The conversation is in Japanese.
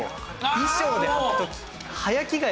衣装で履く時。